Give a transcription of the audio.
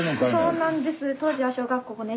そうなんです。